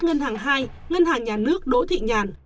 ngân hàng hai ngân hàng nhà nước đỗ thị nhàn